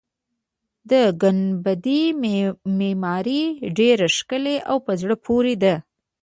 د ګنبدې معمارۍ ډېره ښکلې او په زړه پورې ده.